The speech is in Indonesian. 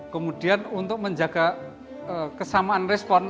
kemudian untuk menjaga kesamaan respon